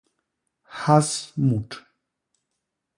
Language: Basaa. Hyas mut.